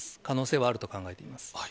可能性はあると考えています。